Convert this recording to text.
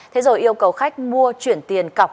thế rồi yêu cầu khách mua chuyển tiền cọc